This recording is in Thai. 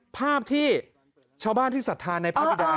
ภาพที่ชาวบ้านที่ศรัทธาในพระบิดา